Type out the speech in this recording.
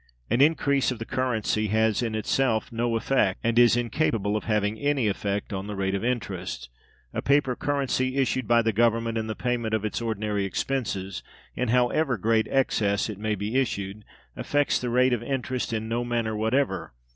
An increase of the currency has in itself no effect, and is incapable of having any effect, on the rate of interest. A paper currency issued by Government in the payment of its ordinary expenses, in however great excess it may be issued, affects the rate of interest in no manner whatever.